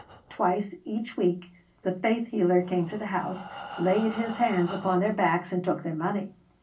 Twice each week the faith healer came to the house, laid his hands upon their backs and took their money.